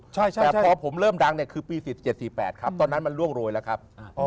แต่พอผมเริ่มดังเนี่ยคือปี๔๗๔๘ครับตอนนั้นมันล่วงโรยแล้วครับ